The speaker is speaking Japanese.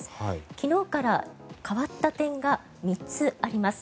昨日から変わった点が３つあります。